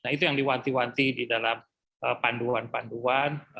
nah itu yang diwanti wanti di dalam panduan panduan